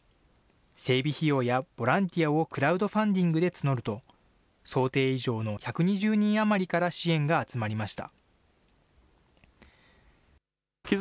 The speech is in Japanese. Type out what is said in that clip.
整備費用やボランティアをクラウドファンディングで募ると、想定以上の１２０人余りから支援が集まりました。